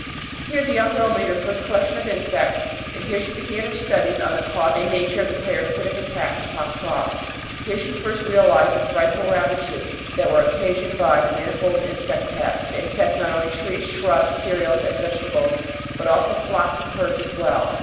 Here the young girl made her first collection of insects, and here she began her studies on the cause and nature of the parasitic attacks upon crops. Here she first realized the frightful ravages that were occasioned by the manifold insect pests that infest not only trees, shrubs, cereals and vegetables, but also flocks and herds as well.